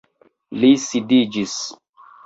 Li sidiĝis.